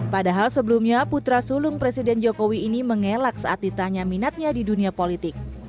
padahal sebelumnya putra sulung presiden jokowi ini mengelak saat ditanya minatnya di dunia politik